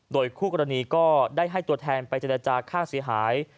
โดยคู่กรณีก็ได้ให้ตัวแทนไปเจรจาค่าเสียหาย